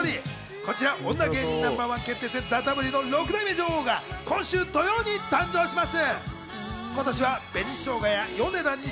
こちら『女芸人Ｎｏ．１決定戦ＴＨＥＷ』の６代目女王が今週土曜に誕生します。